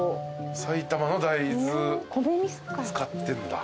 埼玉の大豆使ってんだ。